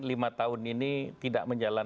lima tahun ini tidak menjalankan